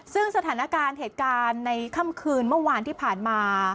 ซึ่งสถานการณ์เหตุการณ์ในค่ำคืนเมื่อวานที่ผ่านมา